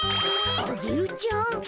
アゲルちゃん？